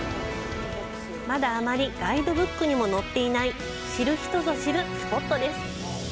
まだあまりガイドブックにも載っていない知る人ぞ知るスポットです。